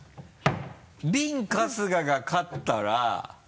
ビン・春日が勝ったら。